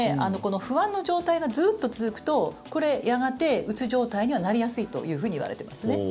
不安の状態がずっと続くとやがて、うつ状態になりやすいといわれています。